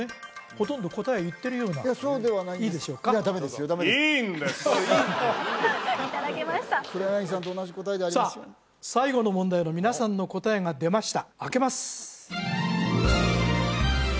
ほとんど答えを言ってるようないやダメですよダメですよいただきました黒柳さんと同じ答えでありますようにさあ最後の問題の皆さんの答えが出ました